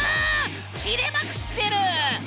キレまくってる！